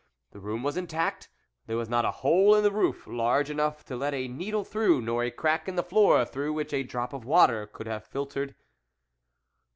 The room was intact, there was not a hole in the roof large enough to let a needle through, nor a crack in the floor through which a drop of water could have fil tered.